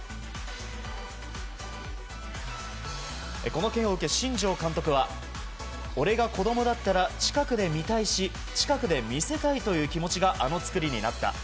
この件を受け、新庄監督は俺が子供だったら近くで見たいし近くで見せたいという気持ちがあの造りになった。